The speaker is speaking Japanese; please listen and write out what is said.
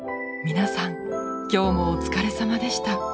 皆さん今日もお疲れ様でした。